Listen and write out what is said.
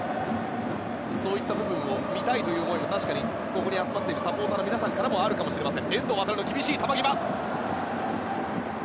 そんな部分を見たいというのも確かに、ここに集まっているサポーターの皆さんもあるかもしれません。